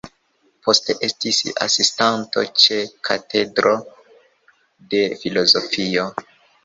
Poste estis asistanto ĉe katedro de filozofio.